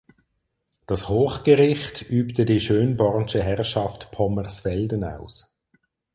Das Hochgericht übte die Schönborn’sche Herrschaft Pommersfelden aus.